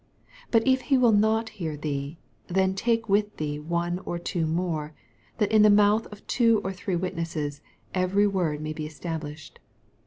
16 But if he will not hear thee, then take with thee one or two more, that in the mouth of two or three witnesses every word may bo established.